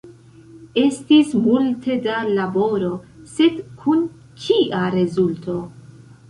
Estis multe da laboro, sed kun kia rezulto?